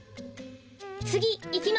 つぎいきます。